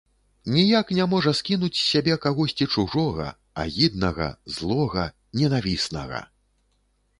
Ніяк не можа скінуць з сябе кагосьці чужога, агіднага, злога, ненавіснага.